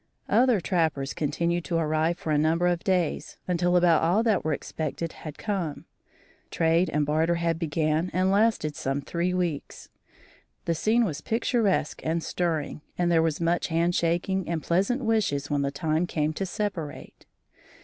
Other trappers continued to arrive for a number of days, until about all that were expected had come in. Trade and barter then began and lasted some three weeks. The scene was picturesque and stirring and there was much hand shaking and pleasant wishes when the time came to separate.